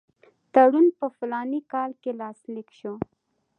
تړون په فلاني کال کې لاسلیک شو.